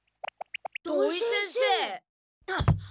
土井先生？